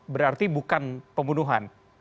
berarti bukan pembunuhan